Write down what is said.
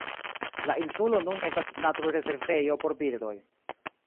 La insulo nun estas naturrezervejo por birdoj.